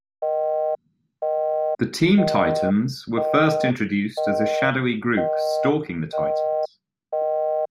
The Team Titans were first introduced as a shadowy group stalking the Titans.